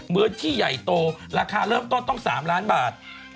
ที่ใหญ่โตราคาเริ่มต้นต้อง๓ล้านบาท